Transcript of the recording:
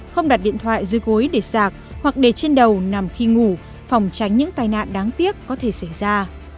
không đặt điện thoại dưới gối để sạc hoặc để trên đầu nằm khi ngủ phòng tránh những tai nạn đáng tiếc có thể xảy ra